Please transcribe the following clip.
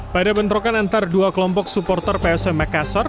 pada bentrokan antara dua kelompok supporter psm makassar